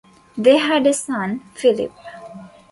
They had a son, Phillip.